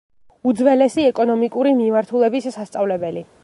უძველესი ეკონომიკური მიმართულების სასწავლებელი.